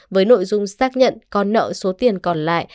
với nội dung xác nhận con nợ số tiền còn lại